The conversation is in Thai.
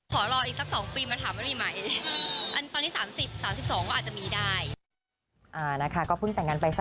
ขอรออีกสัก๒ปีมาถามว่ามันมีไหม